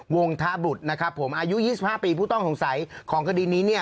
วงธบุตรนะครับผมอายุ๒๕ปีผู้ต้องสงสัยของคดีนี้เนี่ย